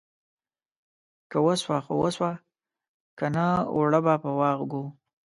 که وسوه خو وسوه ، که نه اوړه به په واغږو.